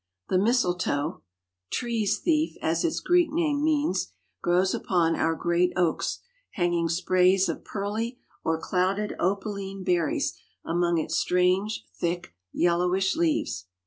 The mistletoe (Trees thief as its Greek name means) grows upon our great oaks, hanging sprays of pearly or clouded opaline berries among its strange, thick, yellowish leaves.